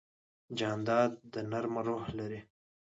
جانداد د نرمه روح لري.